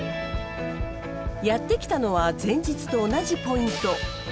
やって来たのは前日と同じポイント。